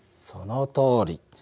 そのとおり。